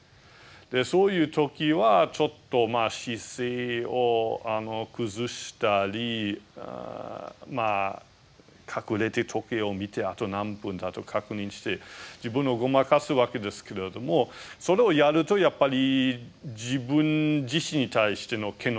そういう時はちょっと姿勢を崩したり隠れて時計を見てあと何分だと確認して自分をごまかすわけですけれどもそれをやるとやっぱり自分自身に対しての嫌悪感が今度来ますよね。